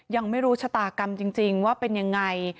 ยังไม่รู้ชะตากรรมจริงว่าเป็นยังไง